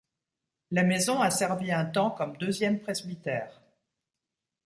La maison a servi un temps comme deuxième presbytère.